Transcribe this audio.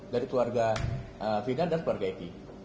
dari keluarga fina dan keluarga eti